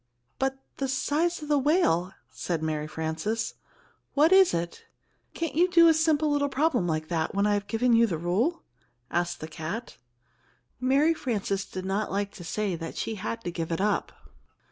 "But the size of the whale " said Mary Frances, "what is it?" "Can't you do a simple little problem like that when I've given you the rule?" asked the cat. Mary Frances did not like to say that she had to give it up.